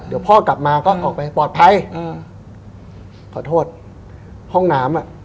เดี๋ยวพ่อกลับมาก็ออกไปปลอดภัยอ่าขอโทษห้องน้ำอ่ะ